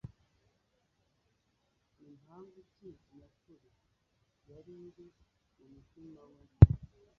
Ni mpamvu ki nyakuri yari iri mu mutima we ?